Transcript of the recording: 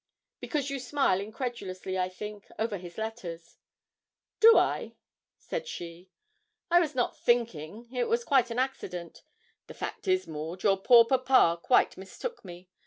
'Because you smile incredulously, I think, over his letters.' 'Do I?' said she; 'I was not thinking it was quite an accident. The fact is, Maud, your poor papa quite mistook me.